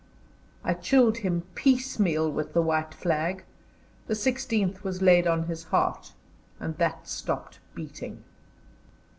I chilled him piecemeal with the white flag; the sixteenth was laid on his heart, and that stopped beating."